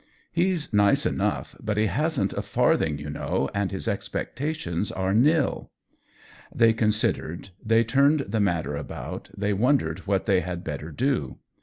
" He's nice enough, but he hasn't a far thing, you know, and his expectations are ;///." They considered, they turned the matter about, they wondered what they had better do.